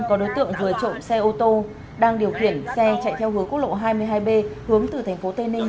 có đối tượng vừa trộm xe ô tô đang điều khiển xe chạy theo hướng quốc lộ hai mươi hai b hướng từ thành phố tây ninh